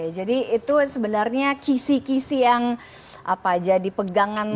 jadi itu sebenarnya kisih kisih yang jadi pegangan kamu